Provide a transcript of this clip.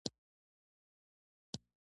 بګۍ بالا حصار ته وخته.